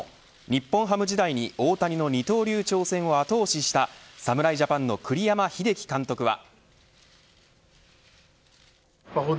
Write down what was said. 日本ハム時代に大谷の二刀流挑戦を後押しした侍ジャパンの栗山英樹監督は。